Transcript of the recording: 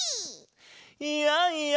いやいや